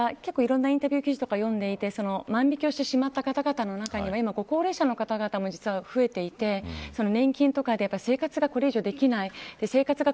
ですがいろんなインタビュー記事とか読んでいて万引をしてしまった方々の中には高齢者の方々も増えていて年金とかで生活がこれ以上できない。